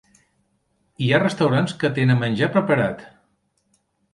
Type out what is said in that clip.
Hi ha restaurants que tenen menjar preparat.